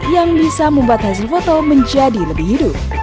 yang bisa membuat hasil foto menjadi lebih hidup